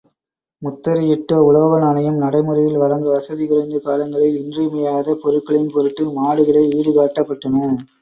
முத்திரையிட்ட உலோக நாணயம் நடைமுறையில் வழங்க வசதி குறைந்த காலங்களில் இன்றியமையாத பொருள்களின் பொருட்டு மாடுகளே ஈடுகாட்டப்பட்டன.